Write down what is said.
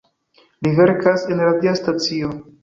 Li verkas en radia stacio.